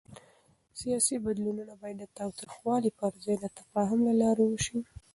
سیاسي بدلون باید د تاوتریخوالي پر ځای د تفاهم له لارې وشي